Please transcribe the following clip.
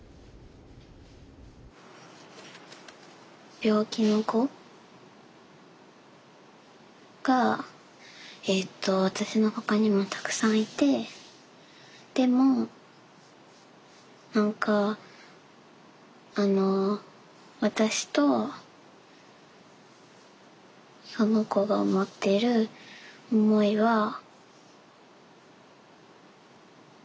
病気の子が私のほかにもたくさんいてでも何かあの私とその子が思っている思いは全然違う。